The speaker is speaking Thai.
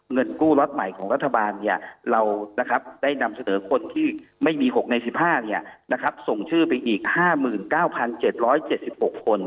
เงินกู้ล็อตใหม่ของรัฐบาลเราได้นำเสนอคนที่ไม่มี๖ใน๑๕ส่งชื่อไปอีก๕๙๗๗๖คน